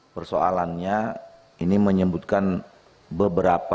persoalannya ini menyebutkan beberapa